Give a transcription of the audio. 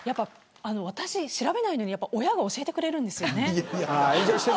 私は調べないのに親が教えてくれるんです。